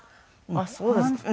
あっそうですか。